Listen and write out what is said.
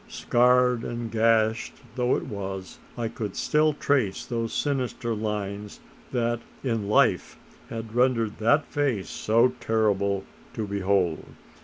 Scarred and gashed though it was, I could still trace those sinister lines that in life had rendered that face so terrible to behold.